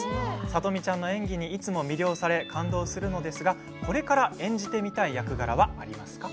さとみちゃんの演技にいつも魅了され感動するのですがこれから演じてみたい役柄はありますか？